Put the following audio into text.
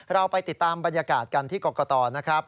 เราไปติดตามบรรยากาศกันที่กรกตนะครับ